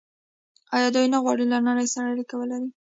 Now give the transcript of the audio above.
آیا دوی نه غواړي له نړۍ سره اړیکه ولري؟